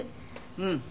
うん。